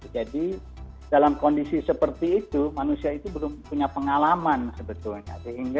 jadi dalam kondisi seperti itu manusia itu belum punya pengalaman sebetulnya